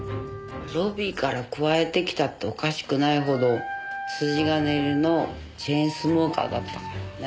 ロビーからくわえてきたっておかしくないほど筋金入りのチェーンスモーカーだったからね。